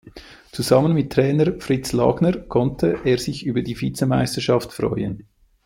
Zusammen mit Trainer Fritz Langner konnte er sich über die Vizemeisterschaft freuen.